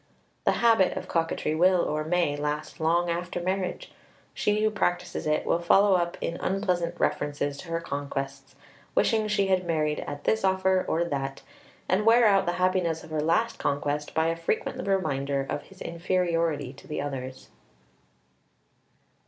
The habit of coquetry will, or may, last long after marriage. She who practises it will follow up in unpleasant references to her conquests, wishing she had married at this offer or that, and wear out the happiness of her last conquest by a frequent reminder of his inferiority to the others.